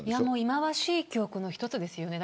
忌まわしい記憶の一つですよね。